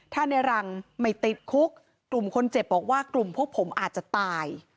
ถ้าในรังไม่ติดคุกกลุ่มคนเจ็บบอกว่ากลุ่มพวกผมอาจจะตาย